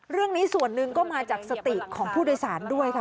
เรื่องนี้ส่วนหนึ่งก็มาจากสติของผู้โดยสารด้วยค่ะ